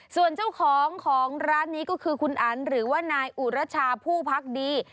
ส่วนเจ้าของของร้านนี้ก็คือคุณอันหรือว่านายอุรชาผู้พักดี